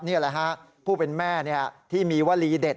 นี่แหละฮะผู้เป็นแม่ที่มีวลีเด็ด